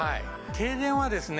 停電はですね